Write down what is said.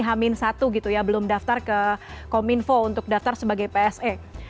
hamin satu gitu ya belum daftar ke kominfo untuk daftar sebagai pse